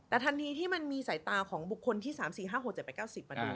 แต่ทันทีที่มันมีสายตาของบุคคลที่๓๔๕๖๗ไป๙๐มาดู